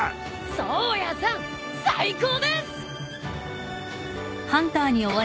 颯也さん最高です！